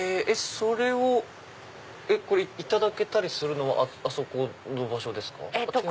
それをいただけたりするのはあそこの場所ですか？